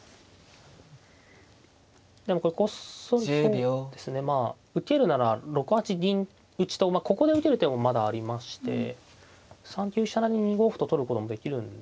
でもこれこっそりそうですねまあ受けるなら６八銀打とここで受ける手もまだありまして３九飛車成に２五歩と取ることもできるんですよね。